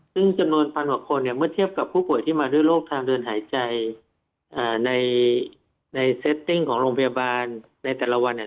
ซึ่งจำนวนพันกว่าคนเนี่ยเมื่อเทียบกับผู้ป่วยที่มาด้วยโรคทางเดินหายใจในเซตติ้งของโรงพยาบาลในแต่ละวันเนี่ย